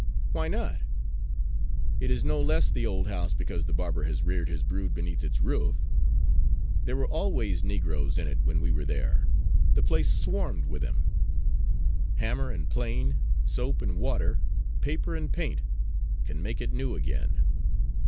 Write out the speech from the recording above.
"Why not? It is no less the old house because the barber has reared his brood beneath its roof. There were always Negroes in it when we were there the place swarmed with them. Hammer and plane, soap and water, paper and paint, can make it new again.